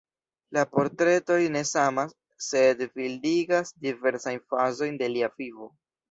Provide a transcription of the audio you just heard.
La portretoj ne samas, sed bildigas diversajn fazojn de lia vivo.